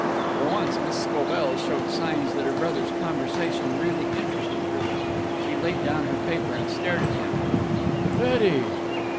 For once Miss Scobell showed signs that her brother's conversation really interested her. She laid down her paper, and stared at him. "Betty!"